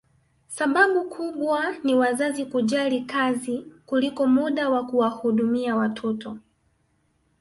Sababu kubwa ni wazazi kujali kazi kuliko muda wa kuwahudumia watoto